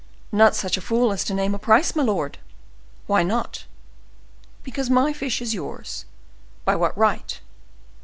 "Not such a fool as to name a price, my lord." "Why not?" "Because my fish is yours." "By what right?"